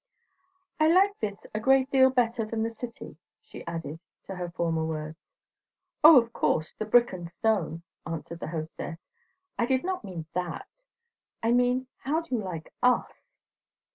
"I like this a great deal better than the city," she added to her former words. "O, of course, the brick and stone!" answered her hostess. "I did not mean that. I mean, how do you like _us?